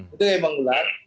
itu ya bang gunat